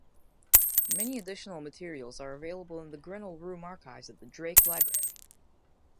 Many additional materials are available in the Grinnell Room Archives at Drake Library.